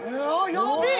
やべえ！